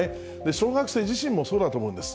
小学生自身もそうだと思うんです。